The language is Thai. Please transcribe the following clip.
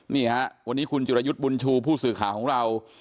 นี่ฮะวันนี้คุณจิรยุทธ์บุญชูผู้สื่อข่าวของเรา